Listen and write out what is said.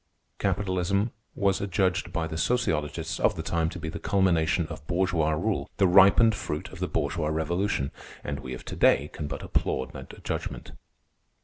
Capitalism was adjudged by the sociologists of the time to be the culmination of bourgeois rule, the ripened fruit of the bourgeois revolution. And we of to day can but applaud that judgment.